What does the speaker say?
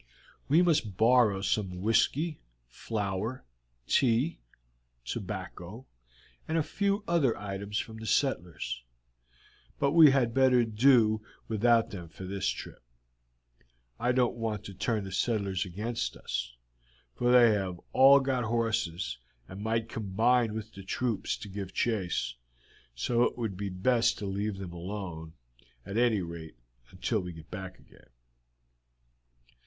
We must borrow some whisky, flour, tea, tobacco, and a few other items from the settlers, but we had better do without them for this trip. I don't want to turn the settlers against us, for they have all got horses, and might combine with the troops to give chase, so it would be best to leave them alone, at any rate till we get back again.